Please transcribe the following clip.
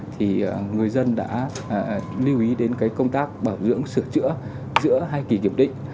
thì người dân đã lưu ý đến công tác bảo dưỡng sửa chữa giữa hai kỳ kiểm định